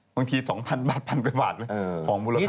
บางที๒๐๐๐บาทพันไปบาทเลย